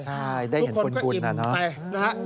ทุกคนก็อิ่มใจนะครับ